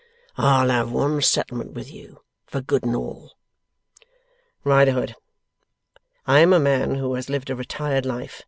I'll have one settlement with you for good and all.' 'Riderhood, I am a man who has lived a retired life.